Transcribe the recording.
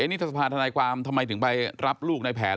นี่ถ้าสภาธนายความทำไมถึงไปรับลูกในแผน